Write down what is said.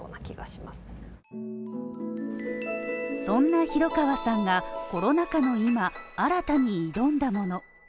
そんな廣川さんがコロナ禍の今新たに挑んだもの。